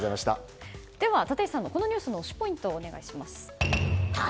では、立石さんのこのニュースの推しポイントをお願いします。